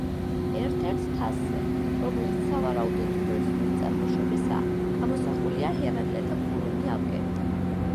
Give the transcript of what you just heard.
ერთ-ერთ თასზე, რომელიც სავარაუდოდ ბერძნული წარმოშობისაა, გამოსახულია ჰერაკლე და ქურუმი ავგე.